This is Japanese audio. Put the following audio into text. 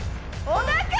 「おなか」